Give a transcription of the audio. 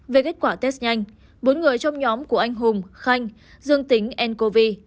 về kết quả test nhanh bốn người trong nhóm của anh hùng khanh dương tính ncov